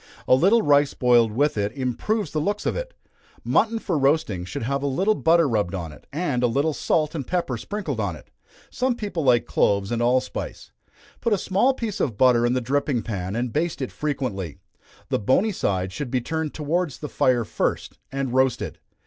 A little rice boiled with it, improves the looks of it. Mutton for roasting, should have a little butter rubbed on it, and a little salt and pepper sprinkled on it some people like cloves and allspice. Put a small piece of butter in the dripping pan, and baste it frequently. The bony side should be turned towards the fire first, and roasted.